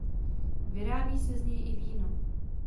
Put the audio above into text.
Vyrábí se z něj i víno.